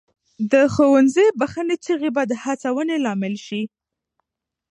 د ښوونځي بخښنې چیغې به د هڅونې لامل سي.